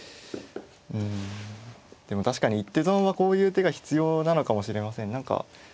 うんでも確かに一手損はこういう手が必要なのかもしれません。